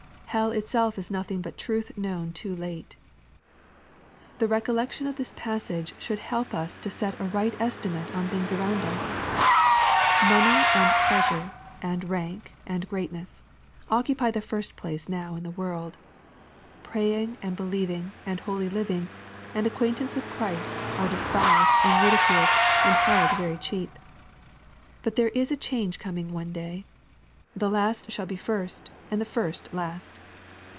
Hell itself is nothing but truth known too late. The recollection of this passage should help lis to set a right estimate on things around us. Money, and pleasure, and rank, and greatness, occupy the first place now in the world. Praying, and believing, and holy living, and acquaintance with Christ, are despised, and ridiculed, and held very cheap. But there is a change coming one day ! The last shall be first, and the first last.